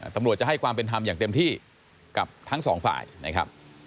ตำรวจจะให้ความเป็นธรรมอย่างเต็มที่กับทั้งสองฝ่ายนะครับ